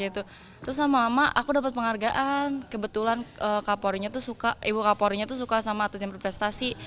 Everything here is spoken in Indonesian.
terus lama lama aku dapat penghargaan kebetulan ibu kapolrinya tuh suka sama atlet yang berprestasi